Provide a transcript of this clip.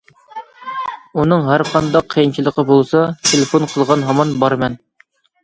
ئۇنىڭ ھەرقانداق قىيىنچىلىقى بولسا تېلېفون قىلغان ھامان بارىمەن.